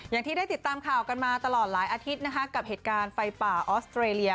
อย่างที่ได้ติดตามข่าวกันมาตลอดหลายอาทิตย์นะคะกับเหตุการณ์ไฟป่าออสเตรเลีย